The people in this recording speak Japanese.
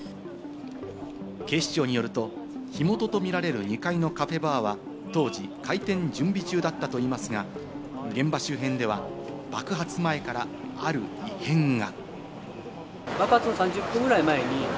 警視庁によると、火元とみられる２階のカフェバーは当時、開店準備中だったといいますが、現場周辺では爆発前からある異変が。